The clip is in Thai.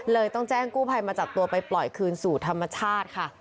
ต้องแจ้งกู้ภัยมาจับตัวไปปล่อยคืนสู่ธรรมชาติค่ะ